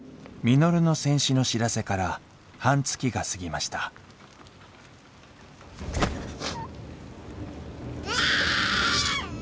稔の戦死の知らせから半月が過ぎましたうっ。